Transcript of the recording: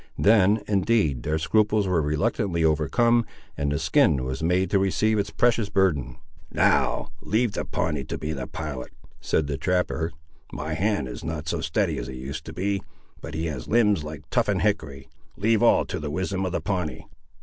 Then, indeed, their scruples were reluctantly overcome, and the skin was made to receive its precious burden. "Now leave the Pawnee to be the pilot," said the trapper; "my hand is not so steady as it used to be; but he has limbs like toughened hickory. Leave all to the wisdom of the Pawnee."